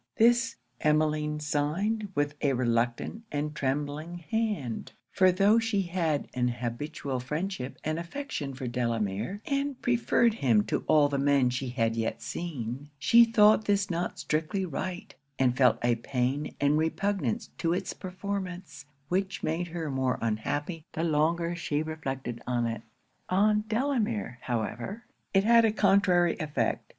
This, Emmeline signed with a reluctant and trembling hand; for tho' she had an habitual friendship and affection for Delamere, and preferred him to all the men she had yet seen, she thought this not strictly right; and felt a pain and repugnance to it's performance, which made her more unhappy the longer she reflected on it. On Delamere, however, it had a contrary effect.